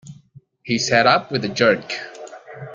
He sat up with a jerk.